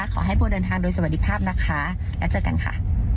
ขอให้พูดด้วยสวัสดีภาพนะคะแล้วเจอกันค่ะ